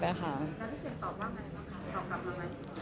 พี่เศษตอบว่าไงนะคะ